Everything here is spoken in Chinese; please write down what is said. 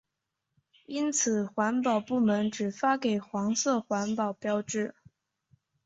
因此环保部门只发给黄色环保标志。